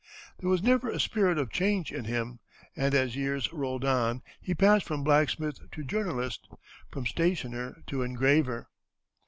There was ever a spirit of change in him, and as years rolled on he passed from blacksmith to journalist, from stationer to engraver.